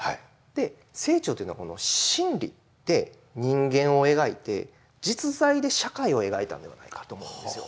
で清張というのは心理で「人間」を描いて実在で「社会」を描いたんではないかと思うんですよ。